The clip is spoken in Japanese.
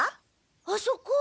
あそこ。